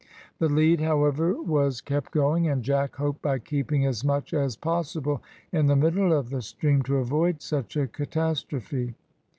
The lead, however, was kept going, and Jack hoped by keeping as much as possible in the middle of the stream to avoid such a catastrophe.